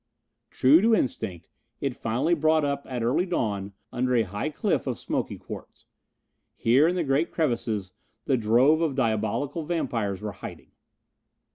True to instinct it finally brought up at early dawn under a high cliff of smoky quartz. Here, in the great crevices, the drove of diabolical vampires were hiding.